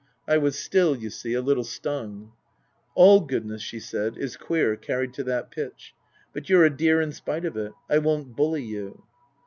I was still, you see, a little stung. " All goodness," she said, " is queer, carried to that pitch. But you're a dear in spite of it. I won't bully you."